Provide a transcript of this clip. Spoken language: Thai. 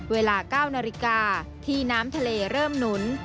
เวลา๙นาฬิกาที่น้ำทะเลเริ่มหนุน